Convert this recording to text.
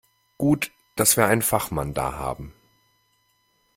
Gut, dass wir einen Fachmann da haben.